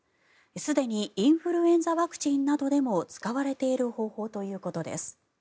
すでにインフルエンザワクチンなどでも使われている方法ということです。